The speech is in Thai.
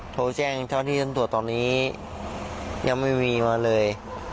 โทรแจ้งเท่าที่ท่านตรวจตอนนี้ยังไม่มีมาเลย